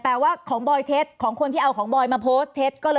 แต่ว่าของบอยเท็จของคนที่เอาของบอยมาโพสต์เท็จ